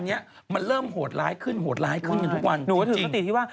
หนูก็ถือสติที่ว่า